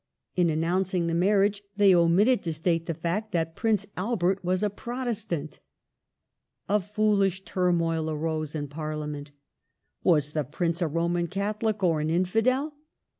In announc ing the marriage they omitted to state the fact that Prince Albert was a Protestant A foolish turmoil arose in Parliament. Was the Prince a Roman Catholic or an Infidel